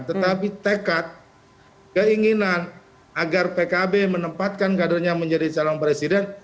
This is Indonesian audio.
tetapi tekad keinginan agar pkb menempatkan kadernya menjadi calon presiden